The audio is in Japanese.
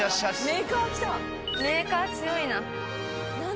メーカー強いな。